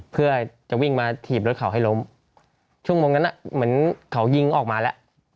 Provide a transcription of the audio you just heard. เพื่อจะวิ่งมาถีบรถเขาให้ล้มชั่วโมงนั้นเหมือนเขายิงออกมาแล้ว